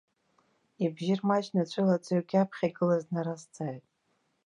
Ибжьы рмаҷны, ҵәылаҵаҩык иаԥхьа игылаз днаразҵааит.